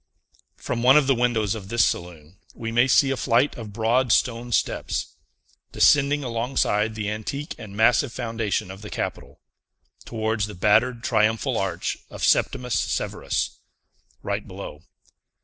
From one of the windows of this saloon, we may see a flight of broad stone steps, descending alongside the antique and massive foundation of the Capitol, towards the battered triumphal arch of Septimius Severus, right below.